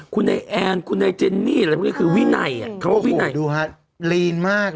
คุณไอว์แอ๊คคุณไอว์เจนนี่